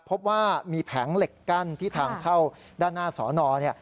พบว่ามีแผงเหล็กกั้นที่ทางเข้าด้านหน้าสอนอเนี่ย